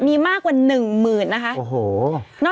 มีมากกว่า๑หมื่นนะคะ